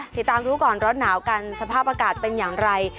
ติดตามรู้ก่อนร้อนหนาวกันสภาพอากาศเป็นอย่างไร